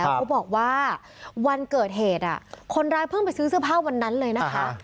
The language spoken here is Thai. เขาบอกว่าวันเกิดเหตุคนร้ายเพิ่งไปซื้อเสื้อผ้าวันนั้นเลยนะคะ